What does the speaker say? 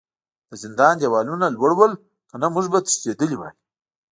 د زندان دیوالونه لوړ ول کنه موږ به تښتیدلي وای